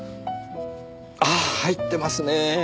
ああ入ってますねえ！